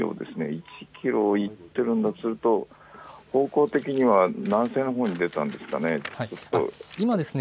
１キロ行っているかとすると方向的には南西のほうに出たんですかね。